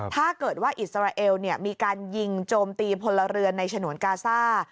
ถ้าเกิดว่าอิสราเอลมีการยิงโจมตีพลเรือนในฉนวนกาซ่า